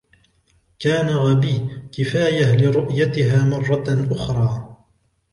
كان غبي كفايه لرؤيتها مرة اخرى.